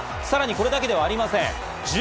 さらにこれだけではありません。